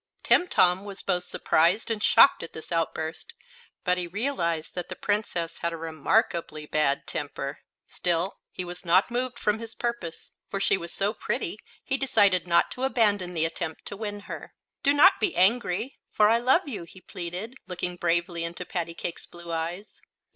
Timtom was both surprised and shocked at this outburst, but he realized that the Princess had a remarkably bad temper. Still he was not moved from his purpose, for she was so pretty he decided not to abandon the attempt to win her. "Do not be angry, for I love you," he pleaded, looking bravely into Pattycake's blue eyes.